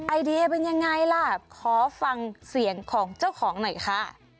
ไอเดียเป็นยังไงล่ะขอฟังเสียงของเจ้าของหน่อยค่ะ